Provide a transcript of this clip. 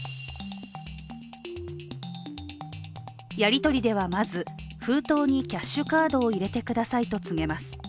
やり取りではまず、封筒にキャッシュカードを入れてくださいと告げます